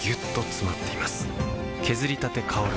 削りたて香る